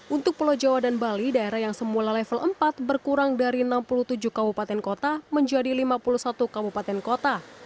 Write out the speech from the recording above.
untuk pulau jawa dan bali daerah yang semula level empat berkurang dari enam puluh tujuh kabupaten kota menjadi lima puluh satu kabupaten kota